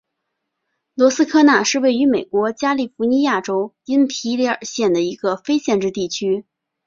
罗斯科纳是位于美国加利福尼亚州因皮里尔县的一个非建制地区。